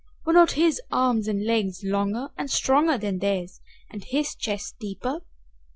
Were not his arms and legs longer and stronger than theirs and his chest deeper?